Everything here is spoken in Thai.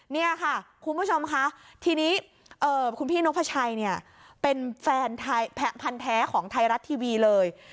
นี่ค่ะคุณผู้ชมค่ะทีนี้คุณพี่นกพระชัยเนี่ยเป็นแฟนพันธ์แท้ของไทยรัฐทีวีเลย